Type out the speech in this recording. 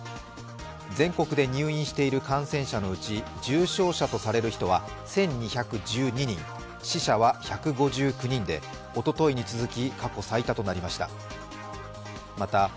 全国で入院している感染者のうち重症者とされる人は１２１２人、死者は１５９人でおとといに続き過去最多となりました。